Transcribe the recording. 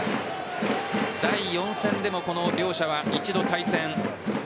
第４戦でも両者は一度対戦。